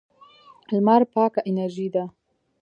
لمر پاکه انرژي ده.